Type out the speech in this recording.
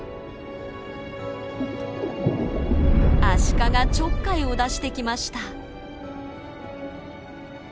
アシカがちょっかいを出してきました。